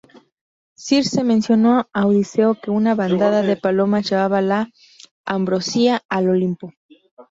Circe mencionó a Odiseo que una bandada de palomas llevaba la ambrosía al Olimpo.